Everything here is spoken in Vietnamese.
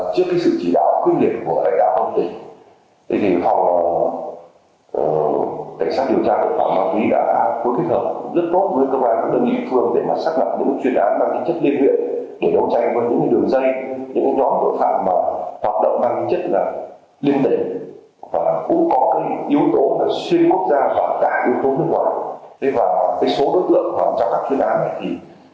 các giới tính cũng có cái yếu tố là xuyên quốc gia hoặc tạo yếu tố nước ngoài